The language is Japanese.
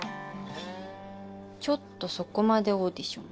ちょっとそこまでオーディション。